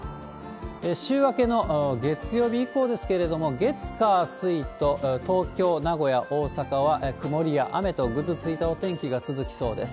週明けの月曜日以降ですけれども、月、火、水と、東京、名古屋、大阪は曇りや雨と、ぐずついたお天気が続きそうです。